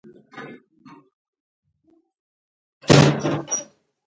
جګړه د خندا ځای ژړا ته ورکوي